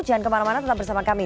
jangan kemana mana tetap bersama kami